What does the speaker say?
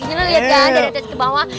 ini lo lihat kan dari atas ke bawah